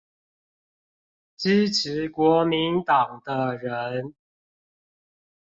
支持國民黨的人